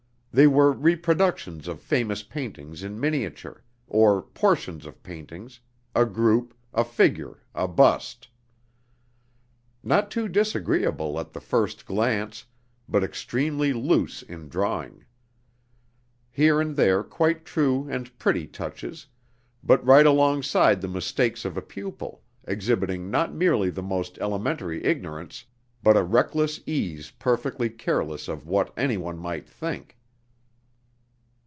They were reproductions of famous paintings in miniature, or portions of paintings, a group, a figure, a bust. Not too disagreeable at the first glance but extremely loose in drawing. Here and there quite true and pretty touches; but right alongside the mistakes of a pupil, exhibiting not merely the most elementary ignorance but a reckless ease perfectly careless of what anyone might think.